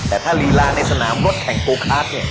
แต่ถ้ารีลาในสนามรถแข่งตัวคลาสเนี่ย